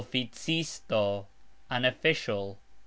oficisto : an official.